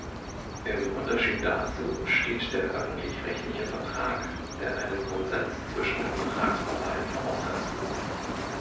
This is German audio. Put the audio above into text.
Im Unterschied dazu steht der öffentlich-rechtliche Vertrag, der einen Konsens zwischen den Vertragsparteien voraussetzt.